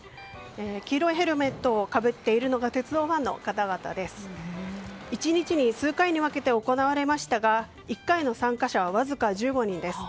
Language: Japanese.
黄色いヘルメットをかぶっているのが鉄道ファンの方で１日に数回に分けて行われましたが１回の参加者はわずか１５人です。